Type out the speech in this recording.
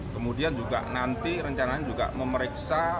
kemudian juga nanti rencananya juga memeriksa